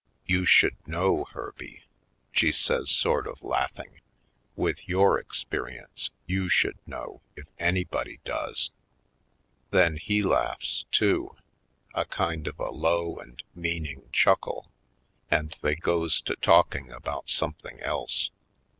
"You should know, Herby," she says sort of laughing; "with your experience you should know if anybody does." Then he laughs, too, a kind of a low and meaning chuckle, and they goes to talking about something else.